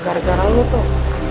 gara gara lu tuh